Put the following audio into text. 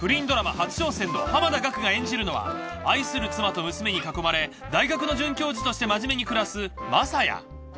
初挑戦の濱田岳が演じるのは愛する妻と娘に囲まれ大学の准教授として真面目に暮らす雅也。